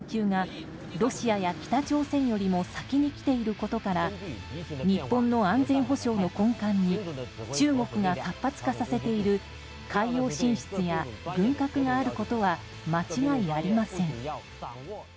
中国への言及がロシアや北朝鮮よりも先にきていることから日本の安全保障の根幹に中国が活発化させている海洋進出や軍拡があることは間違いありません。